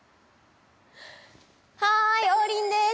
はい王林です。